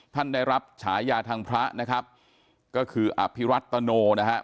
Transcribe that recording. ท่านได้รับฉายาทางพระนะครับก็คืออภิรัตโนนะครับ